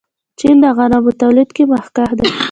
چین د غنمو په تولید کې مخکښ دی.